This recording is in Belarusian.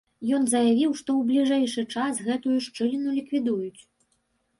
Ён заявіў, што ў бліжэйшы час гэтую шчыліну ліквідуюць.